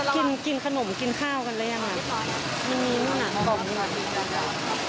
กินขนมกินข้าวกันเลยอ่ะมั้ยมาก